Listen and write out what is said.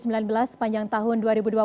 sepanjang tahun dua ribu dua puluh